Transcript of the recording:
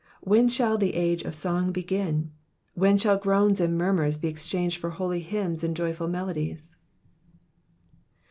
When shall the age of song begin ? When shall groans and murmurs be exchanged for holy hymns and joyful melodies